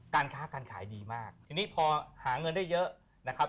การค้าการขายดีมากทีนี้พอหาเงินได้เยอะนะครับ